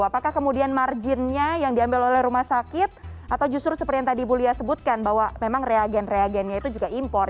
apakah kemudian marginnya yang diambil oleh rumah sakit atau justru seperti yang tadi ibu lia sebutkan bahwa memang reagen reagennya itu juga impor